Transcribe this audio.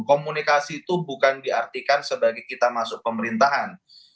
komunikasi itu bukan diartikan sebagai kita masuk pemerintahan